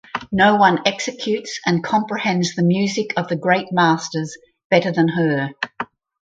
No one executes and comprehends the music of the great masters better than her.